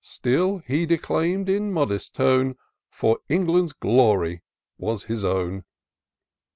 Still he declaim*d in modest tone, For England's glory was his own.